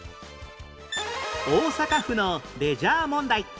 大阪府のレジャー問題